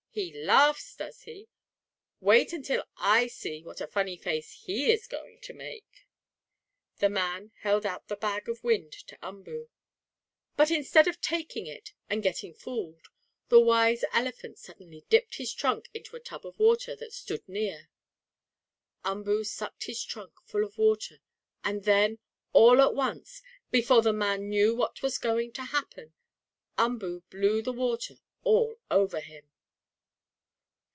"He laughs, does he? Wait until I see what a funny face he is going to make." The man held out the bag of wind to Umboo. But, instead of taking it, and getting fooled, the wise elephant suddenly dipped his trunk into a tub of water that stood near. Umboo sucked his trunk full of water and then, all at once, before the man knew what was going to happen, Umboo blew the water all over him.